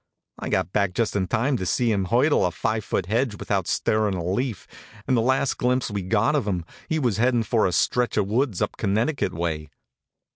I got back just in time to see him hurdle a five foot hedge without stirrin' a leaf, and the last glimpse we got of him he was headin' for a stretch of woods up Connecticut way.